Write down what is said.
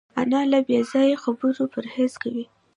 انا له بېځایه خبرو پرهېز کوي